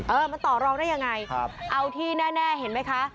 เออมันต่อรองได้ยังไงครับเอาที่แน่เห็นไหมคะ